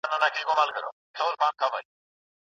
موږ بايد د مطالعې نسل ته درناوی وکړو.